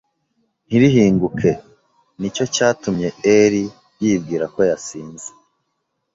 ntirihinguke Ni cyo cyatumye Eli yibwira ko yasinze